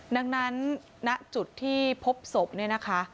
ดังนั้นณจุดที่พบศพเนี่ยนะคะ